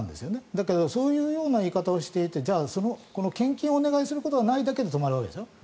だけどそういうような言い方をしていてじゃあこの献金をお願いことはないというだけでとどまっているわけでしょう